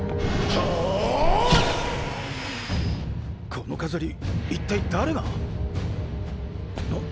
この飾り一体誰が⁉っ！